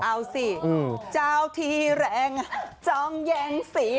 เอาสิเจ้าที่แรงจองแยงสี